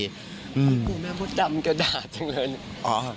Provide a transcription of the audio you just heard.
คุณแม่มดจำก็ด่าจังเลย